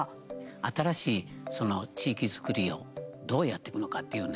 新しい地域づくりをどうやっていくのかっていうね